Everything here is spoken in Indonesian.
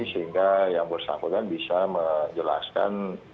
sehingga yang bersangkutan bisa menjelaskan